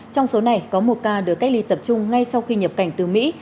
trong số này có một ca được cách ly tập trung ngay sau khi nhập cảnh từ mỹ